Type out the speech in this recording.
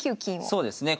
そうですね。